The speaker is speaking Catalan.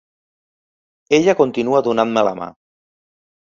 Ella continua donant-me la mà.